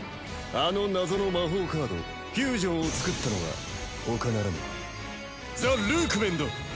あの謎の魔法カードフュージョンを作ったのは他ならぬザ・ルークメンだ。